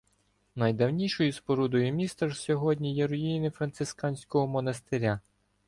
Найдавнішою спорудою міста ж сьогодні є руїни францисканського монастиря.